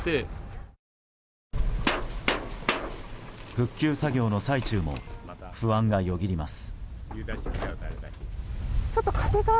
復旧作業の最中も不安がよぎります。